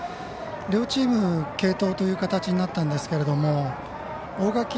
両チーム、継投という形になったんですが大垣